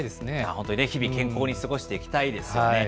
本当にね、日々、健康に過ごしていきたいですよね。